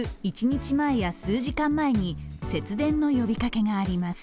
１日前や数日前に節電の呼びかけがあります。